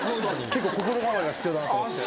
結構心構えが必要だなと思って。